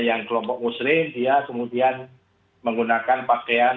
yang kelompok muslim dia kemudian menggunakan pakaian